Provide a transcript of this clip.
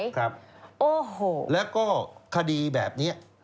โอ้โหและก็คดีแบบนี้